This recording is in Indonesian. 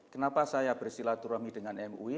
kenapa saya bersilaturahmi dengan mui